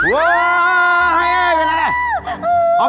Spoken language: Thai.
ว้าวเป็นไร